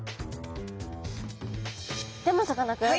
でもさかなクン。